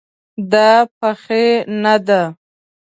دا پخې نه ده